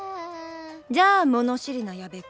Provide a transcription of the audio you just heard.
じゃあ物知りな矢部君。